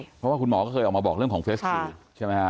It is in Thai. เพราะว่าคุณหมอก็เคยออกมาบอกเรื่องของเฟส๔ใช่ไหมฮะ